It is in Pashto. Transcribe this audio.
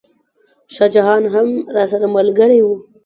شاه جان هم راسره ملګری و.